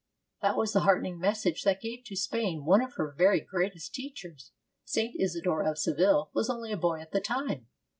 That was the heartening message that gave to Spain one of her very greatest teachers. St. Isidore of Seville was only a boy at the time.